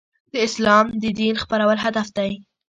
د اسلام د دین خپرول هدف دی.